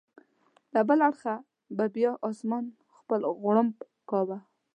له بل اړخه به بیا اسمان خپل غړومب کاوه.